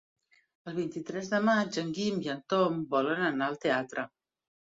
El vint-i-tres de maig en Guim i en Tom volen anar al teatre.